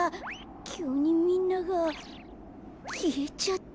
きゅうにみんながきえちゃった。